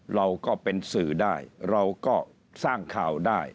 เราก็เป็นสื่อได้เราก็สร้างข่าวได้